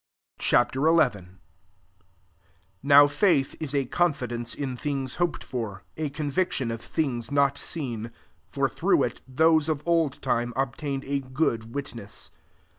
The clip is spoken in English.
Ch XI. 1 NOW faith is a confidence in things hoped for, a conviction of things not seen. 2 For through it, those of old time obtained a good witness.